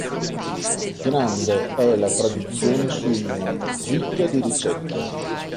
Grande è la tradizione suina, ricca di ricette.